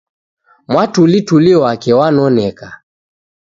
Mwatulituli wake wanonek